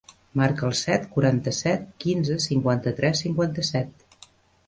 Marca el set, quaranta-set, quinze, cinquanta-tres, cinquanta-set.